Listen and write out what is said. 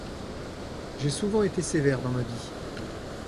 J'ai souvent été sévère dans ma vie.